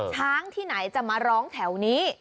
ที่ไหนจะมาร้องแถวนี้